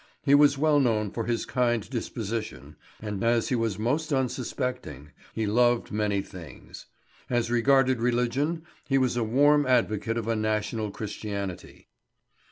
He was well known for his kind disposition, and as he was most unsuspecting, he loved many things. As regarded religion, he was a warm advocate of a national Christianity.